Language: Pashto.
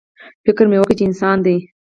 _فکر مې وکړ چې انسان دی.